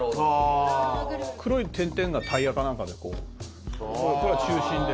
黒い点々がタイヤか何かでこうこれが中心で。